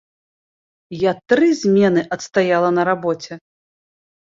Я тры змены адстаяла на рабоце.